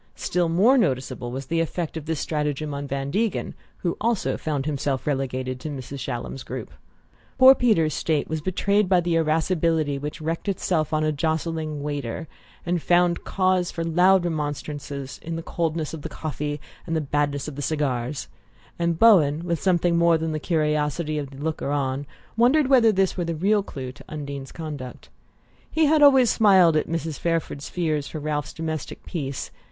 Still more noticeable was the effect of this stratagem on Van Degen, who also found himself relegated to Mrs. Shallum's group. Poor Peter's state was betrayed by the irascibility which wreaked itself on a jostling waiter, and found cause for loud remonstrance in the coldness of the coffee and the badness of the cigars; and Bowen, with something more than the curiosity of the looker on, wondered whether this were the real clue to Undine's conduct. He had always smiled at Mrs. Fairford's fears for Ralph's domestic peace.